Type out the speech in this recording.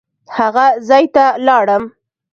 هغه ځای ته لاړم.